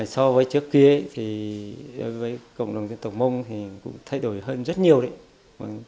so với trước kia thì đối với cộng đồng dân tộc mông thì cũng thay đổi hơn rất nhiều đấy